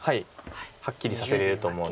はっきりさせれると思うので。